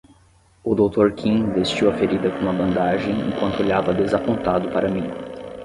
O doutor Kim vestiu a ferida com uma bandagem enquanto olhava desapontado para mim.